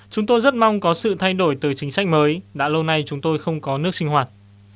chúng tôi rất mong có sự thay đổi từ chính sách mới đã lâu nay chúng tôi không có nước sinh hoạt